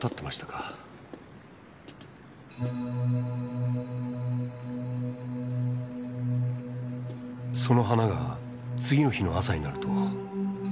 その花が次の日の朝になると。